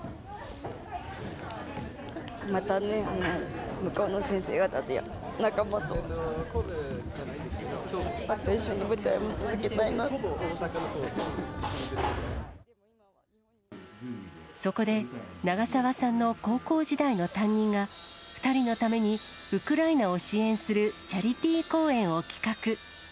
またね、向こうの先生方と仲間と、そこで、長澤さんの高校時代の担任が、２人のためにウクライナを支援するチャリティー公演を企画。